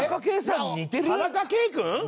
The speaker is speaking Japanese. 田中圭君？